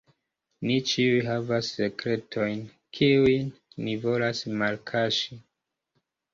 Ni ĉiuj havas sekretojn, kiujn ni volas malkaŝi.